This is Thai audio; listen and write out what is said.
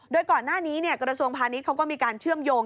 โดยก่อนหน้านี้กระทรวงพาณิชย์เขาก็มีการเชื่อมโยง